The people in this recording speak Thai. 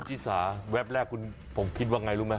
จิซาเว็บแรกผมคิดว่าไงรู้ไหม